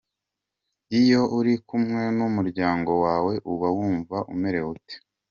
com: Iyo uri kumwe n’umuryango wawe uba wumva umerewe ute?.